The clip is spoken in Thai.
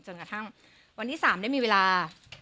กระทั่งวันที่๓ได้มีเวลา